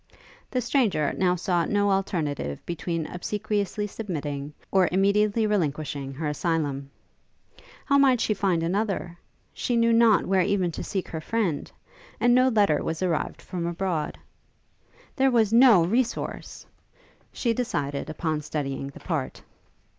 The stranger now saw no alternative between obsequiously submitting, or immediately relinquishing her asylum. How might she find another? she knew not where even to seek her friend, and no letter was arrived from abroad. There was no resource! She decided upon studying the part.